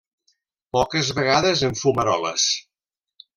Poques vegades en fumaroles.